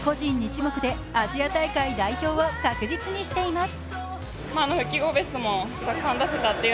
２種目でアジア大会代表を確実にしています。